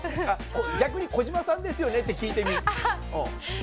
逆に「児嶋さんですよね？」って聞いてみ。